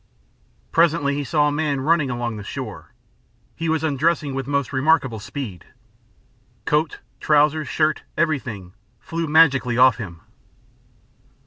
Presently he saw a man running along the shore. He was undressing with most remarkable speed. Coat, trousers, shirt, everything flew magically off him.